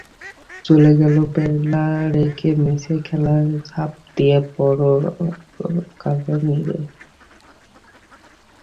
চলে গেল বেলা, রেখে মিছে খেলা ঝাঁপ দিয়ে পড়ো কালো নীরে।